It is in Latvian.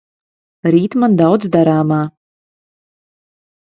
Rīt man daudz darāmā.